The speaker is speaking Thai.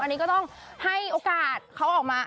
อันนี้ก็ต้องให้โอกาสเขาออกมา